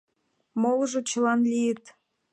Молыжо чылан лийыт.